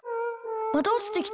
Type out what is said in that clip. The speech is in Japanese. またおちてきた。